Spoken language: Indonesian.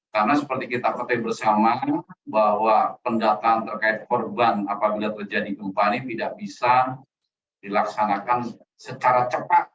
karena seperti kita kutip bersama bahwa pendatangan terkait korban apabila menjadi keumpahan ini tidak bisa dilaksanakan secara cepat